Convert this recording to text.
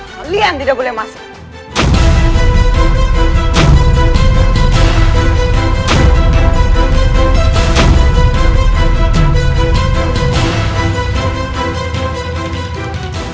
kalian tidak boleh masuk